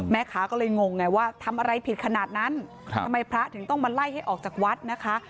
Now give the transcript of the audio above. แม่ค้าก็เลยงงไงว่าทำอะไรผิดขนาดนั้นทำไมพระถึงต้องมาไล่ให้ออกจากวัดนะคะ